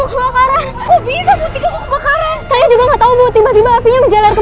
kebakaran kok bisa putih kebakaran saya juga nggak tahu butik tiba tiba apinya menjalan ke